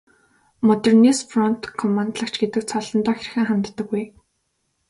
Модернист фронт командлагч гэдэг цолондоо хэрхэн ханддаг вэ?